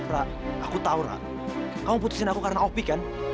rah aku tau rah kamu putusin aku karena opi kan